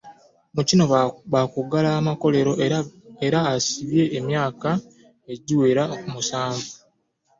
Mu kino ba kuggala amakolero era asibwe emyaka egiwera musanvu.